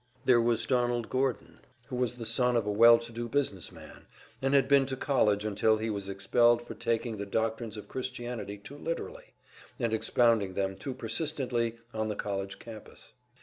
There was Donald Gordon, who was the son of a well to do business man, and had been to college, until he was expelled for taking the doctrines of Christianity too literally and expounding them too persistently on the college campus.